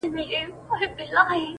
خو د هر چا ذهن کي درد پاته وي,